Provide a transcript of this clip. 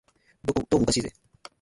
どうもおかしいぜ